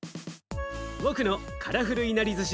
僕のカラフルいなりずし